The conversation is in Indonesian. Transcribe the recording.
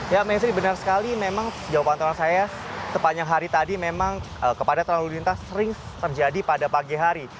ya mayfrey benar sekali memang jawaban saya sepanjang hari tadi memang kepadatan lalu lintas sering terjadi pada pagi hari